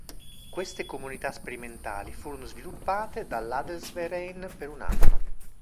Queste comunità sperimentali furono supportate dall'Adelsverein per un anno.